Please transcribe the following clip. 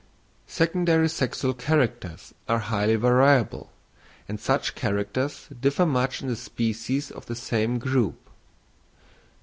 Secondary sexual characters are highly variable, and such characters differ much in the species of the same group.